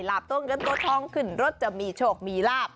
ตัวเงินตัวทองขึ้นรถจะมีโชคมีลาบ